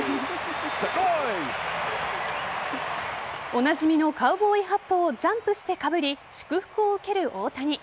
おなじみのカウボーイハットをジャンプしてかぶり祝福を受ける大谷。